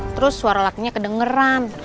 terus suara lakinya kedengeran